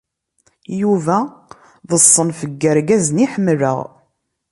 Yuba d ṣṣenf n yirgazen i ḥemmleɣ.